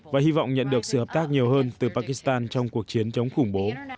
và hy vọng nhận được sự hợp tác nhiều hơn từ pakistan trong cuộc chiến chống khủng bố